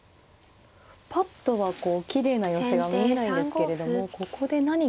ぱっとはこうきれいな寄せが見えないんですけれどもここで何か。